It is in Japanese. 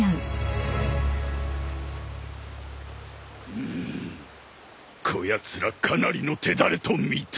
うむこやつらかなりの手だれと見た。